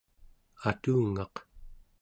atungaq